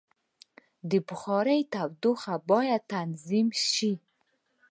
د بخارۍ تودوخه باید تنظیم شي.